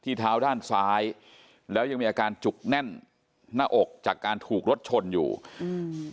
เท้าด้านซ้ายแล้วยังมีอาการจุกแน่นหน้าอกจากการถูกรถชนอยู่อืม